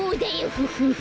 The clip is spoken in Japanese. フフフ。